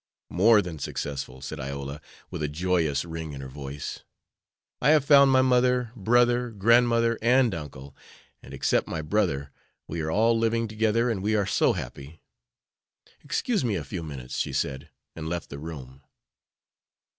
"More than successful," said Iola, with a joyous ring in her voice. "I have found my mother, brother, grandmother, and uncle, and, except my brother, we are all living together, and we are so happy. Excuse me a few minutes," she said, and left the room.